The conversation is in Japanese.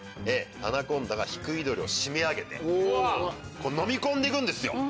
アナコンダがヒクイドリを締め上げてのみ込んでいくんですよ。